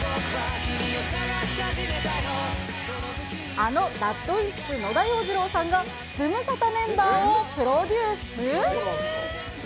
あのＲＡＤＷＩＭＰＳ・野田洋次郎さんが、ズムサタメンバーをプロデュース？